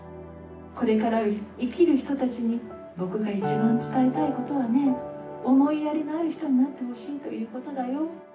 「これから生きる人たちに僕が一番伝えたいことはね思いやりのある人になってほしいということだよ」。